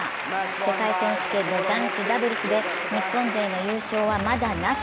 世界選手権の男子ダブルスで日本勢の優勝はまだなし。